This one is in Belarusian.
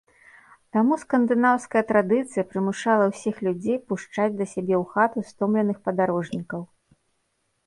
Таму скандынаўская традыцыя прымушала ўсіх людзей пушчаць да сябе ў хату стомленых падарожнікаў.